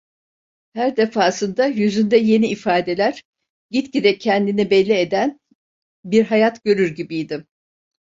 Her defasında yüzünde yeni ifadeler, gitgide kendini belli eden bir hayat görür gibiydim.